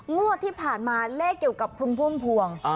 งวดที่ผ่านมาเลขเกี่ยวกับคุณพุ่มพวง